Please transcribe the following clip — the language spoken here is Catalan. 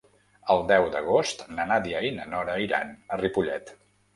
El deu d'agost na Nàdia i na Nora iran a Ripollet.